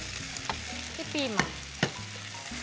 ピーマン。